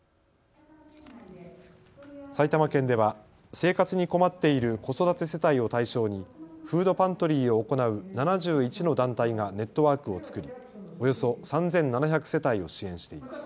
埼玉県では生活に困っている子育て世帯を対象にフードパントリーを行う７１の団体がネットワークを作り、およそ３７００世帯を支援しています。